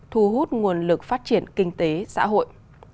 thu hút nguồn lực phát triển kinh tế xã hội